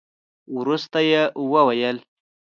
وروسته يې وويل.